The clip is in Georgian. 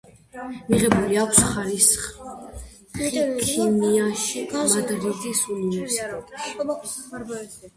მიღებული აქვს ხარისხი ქიმიაში მადრიდის უნივერსიტეტში.